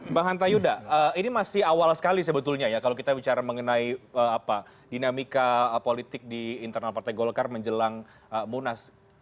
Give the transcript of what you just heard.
mbak hanta yuda ini masih awal sekali sebetulnya ya kalau kita bicara mengenai dinamika politik di internal partai golkar menjelang munas